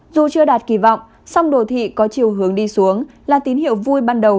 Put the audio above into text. dù chưa đạt kỳ vọng song đồ thị có chiều hướng đi xuống là tín hiệu vui ban đầu